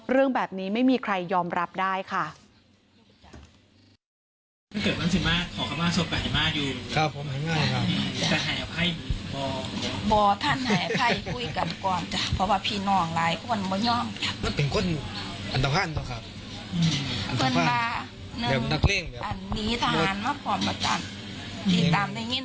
เรื่องแบบนี้ไม่มีใครยอมรับได้ค่ะ